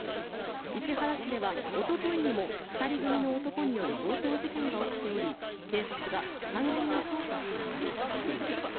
市原市ではおとといにも２人組の男による強盗事件が起きており警察が関連を捜査しています。